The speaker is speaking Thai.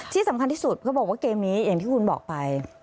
ที่สำคัญที่สุดเขาบอกว่าเกมนี้อย่างที่คุณบอกไป